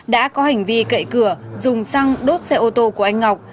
đã có hành vi cậy cửa dùng xăng đốt xe ô tô của anh ngọc